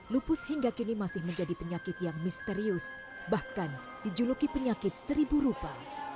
lupus hingga kini masih menjadi penyakit yang misterius bahkan dijuluki penyakit seribu rupa